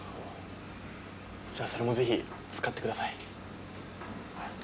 じゃあそれもぜひ使ってください。